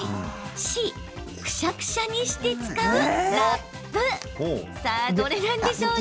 Ｃ・くしゃくしゃにして使うラップ。